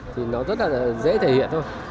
thì nó rất là dễ thể hiện thôi